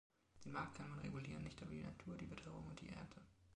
Den Markt kann man regulieren, nicht aber die Natur, die Witterung und die Ernte.